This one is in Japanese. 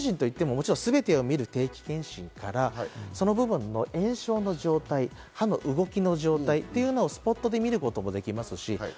もちろん定期健診といっても、すべてを見る定期健診からその部分の炎症の状態、歯の動きの状態というのをスポットで見ることもできます。